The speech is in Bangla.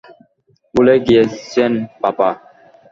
ভুলে গিয়েছেন, পাপা?